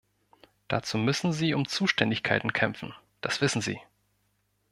Dazu müssen Sie um Zuständigkeiten kämpfen, das wissen Sie.